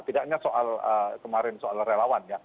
tidak hanya soal kemarin soal relawan ya